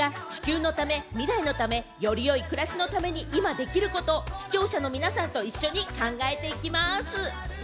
日テレ系の番組が地球のため、未来のため、より良い暮らしのために今できることを視聴者の皆さんと一緒に考えていきます。